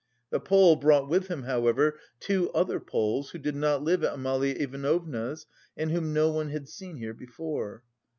The Pole brought with him, however, two other Poles who did not live at Amalia Ivanovna's and whom no one had seen here before.